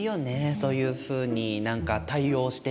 そういうふうに何か対応していくことって。